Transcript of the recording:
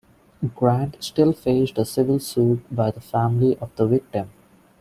Grant still faced a civil suit by the family of the victim.